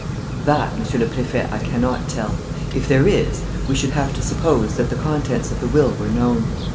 "That, Monsieur le Préfet, I cannot tell. If there is, we should have to suppose that the contents of the will were known.